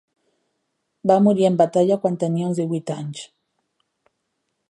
Va morir en batalla quan tenia uns divuit anys.